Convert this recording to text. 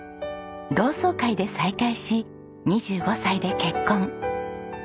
同窓会で再会し２５歳で結婚。